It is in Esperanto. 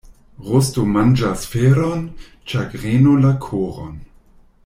Rusto manĝas feron, ĉagreno la koron.